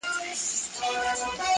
ستا د راتللو زما د تللو کيسه ختمه نه ده